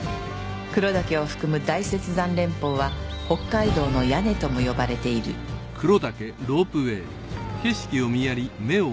黒岳を含む大雪山連峰は北海道の屋根とも呼ばれているあっまだ治ってないんですか？